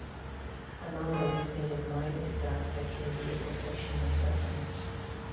Another weakness of mine is that I can be a perfectionist at times.